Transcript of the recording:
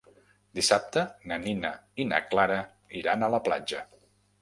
Dissabte na Nina i na Clara iran a la platja.